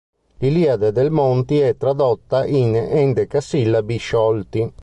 L"'Iliade" del Monti è tradotta in endecasillabi sciolti.